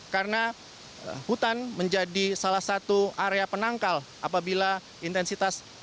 karena hutan menjadi salah satu area penangkal apabila intensitas penangkal